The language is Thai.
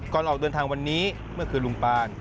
ออกเดินทางวันนี้เมื่อคืนลุงปาน